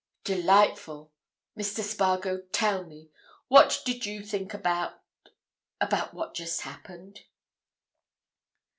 "Delightful! Mr. Spargo, tell me!—what did you think about—about what has just happened?"